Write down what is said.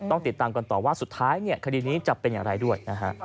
ต้องติดตามกันต่อว่าสุดท้ายคดีนี้จะเป็นอย่างไรด้วยนะฮะ